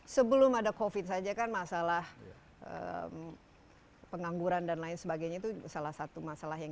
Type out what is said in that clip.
sebelum ada covid saja kan masalah pengangguran dan lain sebagainya itu salah satu masalah yang